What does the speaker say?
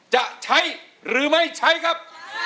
จะใช้หรือไม่ใช้ครับ